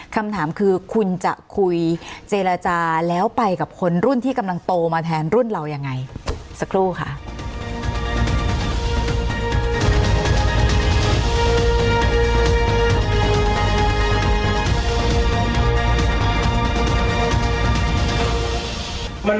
คำถามคือคุณจะคุยเจรจาแล้วไปกับคนรุ่นที่กำลังโตมาแทนรุ่นเรายังไงสักครู่ค่ะ